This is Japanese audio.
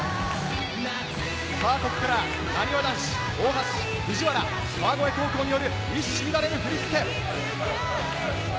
ここから、なにわ男子、大橋、藤原、川越高校による一糸乱れぬ振り付け。